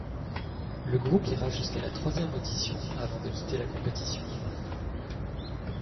Le groupe ira jusqu'à la troisième audition avant de quitter la compétition.